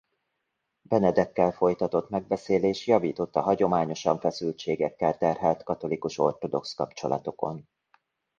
Benedekkel folytatott megbeszélés javított a hagyományosan feszültségekkel terhelt katolikus-ortodox kapcsolatokon.